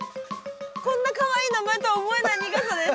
こんなかわいい名前とは思えない苦さです。